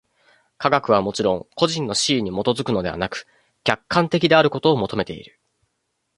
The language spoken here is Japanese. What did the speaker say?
科学はもちろん個人の肆意に基づくのでなく、客観的であることを求めている。